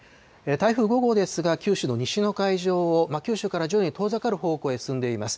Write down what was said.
台風５号ですが、九州の西の海上を、九州から徐々に遠ざかる方向へ進んでいます。